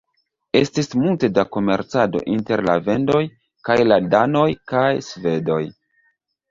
Estis multe da komercado inter la vendoj kaj la danoj kaj svedoj.